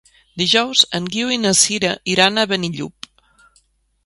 Dijous en Guiu i na Sira iran a Benillup.